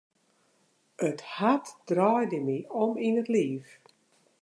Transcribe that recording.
It hart draaide my om yn it liif.